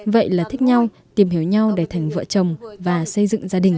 vậy là thích nhau tìm hiểu nhau để thành vợ chồng và xây dựng gia đình